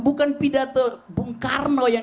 bukan pidato bung karno yang